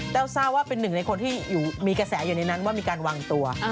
ทราบว่าเป็นหนึ่งในคนที่มีกระแสอยู่ในนั้นว่ามีการวางตัว